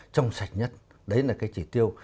trong sạch nhất đấy là cái chỉ tiêu